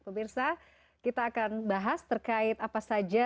pemirsa kita akan bahas terkait apa saja